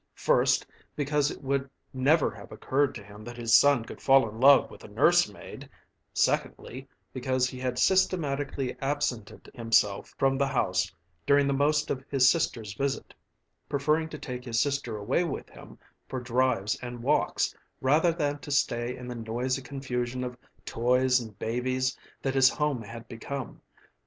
First, because it would never have occurred to him that his son could fall in love with a nursemaid; secondly, because he had systematically absented himself from the house during the most of his sister's visit, preferring to take his sister away with him for drives and walks rather than to stay in the noisy confusion of toys and babies that his home had become.